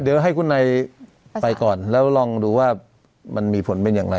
เดี๋ยวให้คุณนายไปก่อนแล้วลองดูว่ามันมีผลเป็นอย่างไร